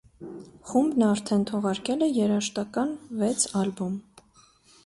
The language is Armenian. Խումբն արդեն թողարկել է երաժշտական վեց ալբոմ։